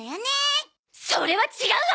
それは違うわ！